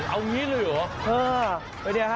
เออวันนี้ครับ